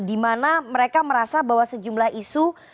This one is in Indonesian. di mana mereka merasa bahwa sejumlah isu